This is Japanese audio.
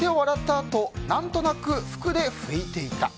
あとなんとなく服で拭いていた。」。